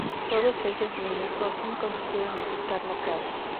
Todos ellos menos Jokin consiguieron ocultar la carta.